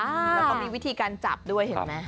แล้วก็มีวิธีการจับด้วยเห็นไหม